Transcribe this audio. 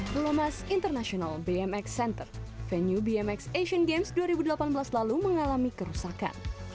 dilemas international bmx center venue bmx asian games dua ribu delapan belas lalu mengalami kerusakan